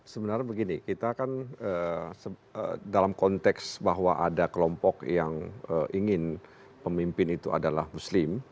sebenarnya begini kita kan dalam konteks bahwa ada kelompok yang ingin pemimpin itu adalah muslim